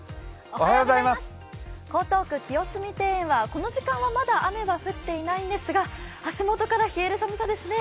江東区・清澄庭園はこの時間はまだ雨は降っていないんですが、足元から冷える寒さですね。